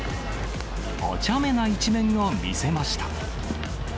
おちゃめな一面を見せました。